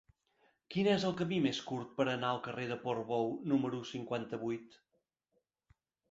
Quin és el camí més curt per anar al carrer de Portbou número cinquanta-vuit?